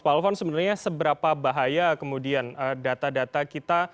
pak alfon sebenarnya seberapa bahaya kemudian data data kita